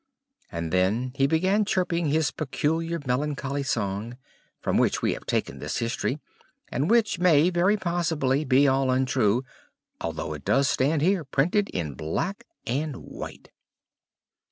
And then he began chirping his peculiar melancholy song, from which we have taken this history; and which may, very possibly, be all untrue, although it does stand here printed in black and white.